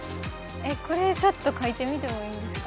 これちょっと書いてみてもいいですか？